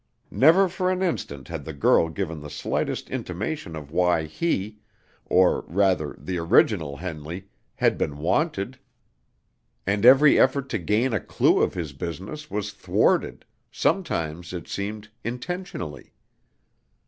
Never for an instant had the girl given the slightest intimation of why he, or rather the original Henley, had been wanted, and every effort to gain a clew of his business was thwarted sometimes, it seemed, intentionally.